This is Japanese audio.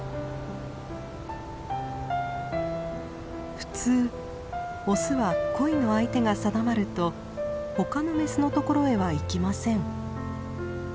普通オスは恋の相手が定まると他のメスのところへは行きません。